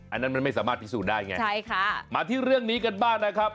อันนั้นมันไม่สามารถพิสูจน์ได้ไงใช่ค่ะมาที่เรื่องนี้กันบ้างนะครับ